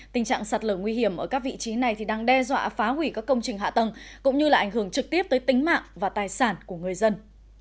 tình trạng sạt lở nguy hiểm ở các vị trí này đang đe dọa phá hủy các công trình hạ tầng cũng như là ảnh hưởng trực tiếp tới tính mạng và tài sản của người dân